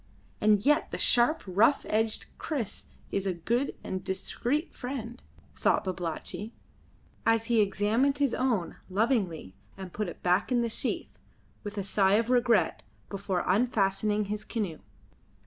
And yet the sharp, rough edged kriss is a good and discreet friend, thought Babalatchi, as he examined his own lovingly, and put it back in the sheath, with a sigh of regret, before unfastening his canoe.